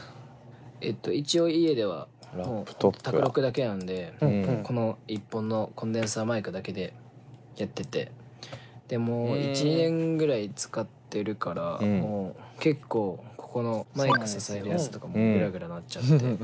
一応家では宅録だけなんでこの１本のコンデンサーマイクだけでやっててもう１２年ぐらい使ってるからもう結構ここのマイク支えるやつとかもグラグラなっちゃって。